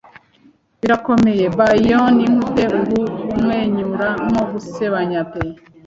'Birakomeye by yon inkwi pe ubu kumwenyura nko gusebanya pe